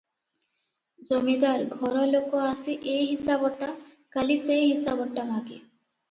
ଜମିଦାର-ଘର ଲୋକ ଆସି ଏ ହିସାବଟା, କାଲି ସେ ହିସାବଟା ମାଗେ ।